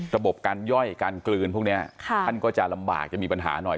ระบบการย่อยการกลืนพวกนี้ท่านก็จะลำบากจะมีปัญหาหน่อย